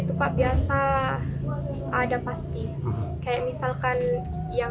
alumni siswi sekolah menengah kejuruan negeri tujuh makassar ini bahkan meraih peringkat pertama